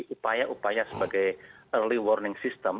upaya upaya sebagai early warning system